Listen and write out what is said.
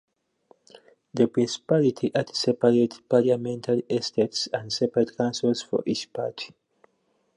The principality had separate parliamentary Estates and separate councils for each part.